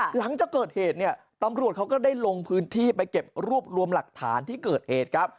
หลังจากเกิดเหตุเนี่ยตำรวจเขาก็ได้ลงพื้นที่ไปเก็บรวบรวมหลักฐานที่เกิดเหตุครับ